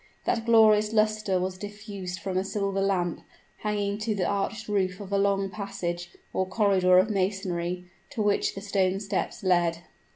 That glorious luster was diffused from a silver lamp, hanging to the arched roof of a long passage, or corridor of masonry, to which the stone steps led.